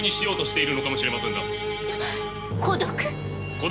孤独？